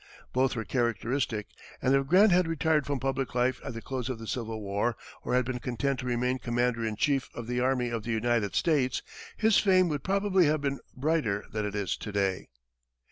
Both were characteristic, and if Grant had retired from public life at the close of the Civil War, or had been content to remain commander in chief of the army of the United States, his fame would probably have been brighter than it is to day.